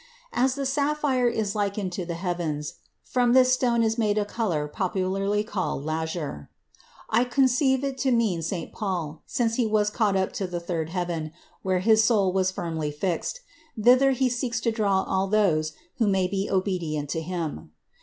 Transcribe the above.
As the sapphire is likened to the heavens (from this stone is made a color popularly called lazur), I conceive it to mean St. Paul, since he was caught up to the third heaven, where his soul was firmly fixed. Thither he seeks to draw all those who may be obedient to him.